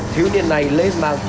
thiếu niên này lấy mặt